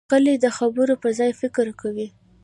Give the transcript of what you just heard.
غلی، د خبرو پر ځای فکر کوي.